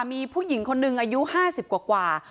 มีผู้หญิงคนหนึ่งอายุ๕๐กว่า